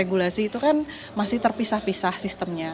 regulasi itu kan masih terpisah pisah sistemnya